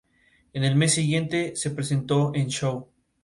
Más tarde abandonó la carrera militar para centrarse en la docencia.